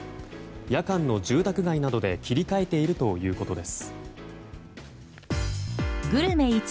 夜間の住宅街などで切り替えているということです。